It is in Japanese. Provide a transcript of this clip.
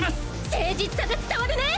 誠実さが伝わるね！